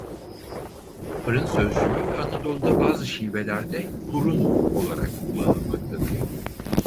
Fırın sözcüğü Anadolu'da bazı şivelerde "hurun" olarak kullanılmaktadır.